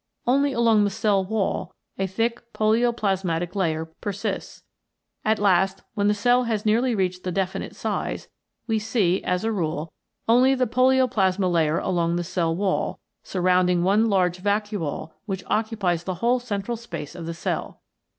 Only along the cell wall a thick polioplasmatic layer persists. At last, when the cell has nearly reached the definite size, we see, as a rule, only the polioplasma layer along the cell wall, surrounding one large vacuole which occupies the whole central space of the cell.